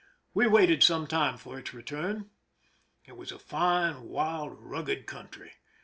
We waited some time for its return. It was a fine, wild, rugged country.